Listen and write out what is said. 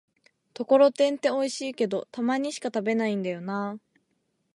ところてんっておいしいけど、たまにしか食べないんだよなぁ